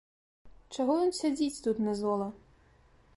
Чаго ён сядзіць тут, назола?